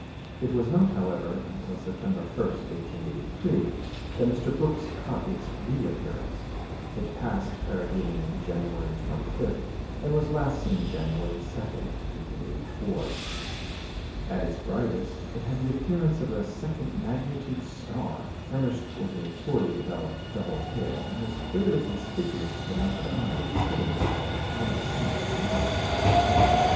It was not, however, until September 1, 1883, that Mr. Brooks caught its reappearance; it passed perihelion January 25, and was last seen June 2, 1884. At its brightest, it had the appearance of a second magnitude star, furnished with a poorly developed double tail, and was fairly conspicuous to the naked eye in Southern Europe, from December to March.